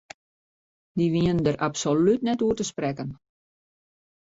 Dy wienen dêr absolút net oer te sprekken.